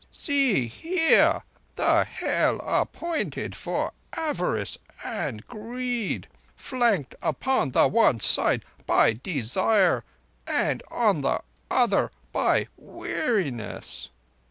"See here the Hell appointed for avarice and greed. Flanked upon the one side by Desire and on the other by Weariness."